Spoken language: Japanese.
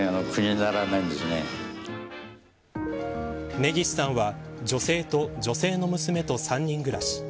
根岸さんは女性と女性の娘と３人暮らし。